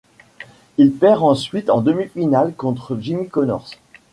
Il perd ensuite en demi-finale contre Jimmy Connors.